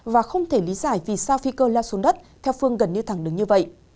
và không thể lý giải vì sao phi cơ lao xuống đất theo phương gần như thẳng đứng như vậy